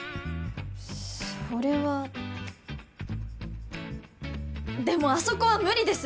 それはでもあそこは無理です！